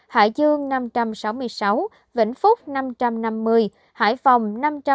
hải dương năm trăm sáu mươi sáu vĩnh phúc năm trăm năm mươi hải phòng năm trăm hai mươi ba